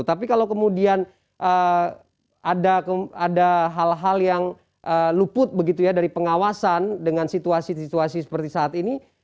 tapi kalau kemudian ada hal hal yang luput begitu ya dari pengawasan dengan situasi situasi seperti saat ini